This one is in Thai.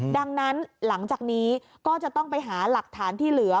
ดังนั้นหลังจากนี้ก็จะต้องไปหาหลักฐานที่เหลือ